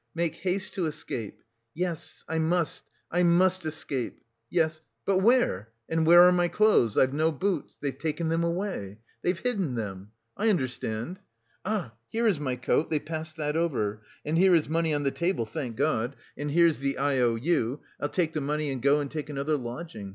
Make haste to escape. Yes, I must, I must escape! Yes... but where? And where are my clothes? I've no boots. They've taken them away! They've hidden them! I understand! Ah, here is my coat they passed that over! And here is money on the table, thank God! And here's the I O U... I'll take the money and go and take another lodging.